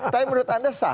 tapi menurut anda sah